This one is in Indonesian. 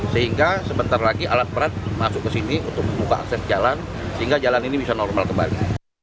sehingga sebentar lagi alat berat masuk ke sini untuk membuka akses jalan sehingga jalan ini bisa normal kembali